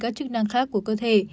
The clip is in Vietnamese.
các chức năng khác của cơ thể